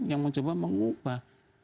yang mencoba mengubah